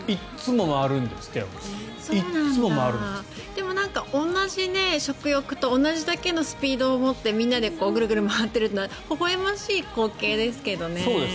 でも、同じ食欲と同じだけのスピードを持ってみんなでグルグル回ってるのはほほ笑ましい光景ですけどね。